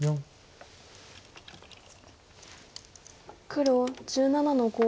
黒１７の五。